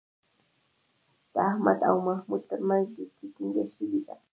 د احمد او محمود ترمنځ دوستي ټینگه شوې ده.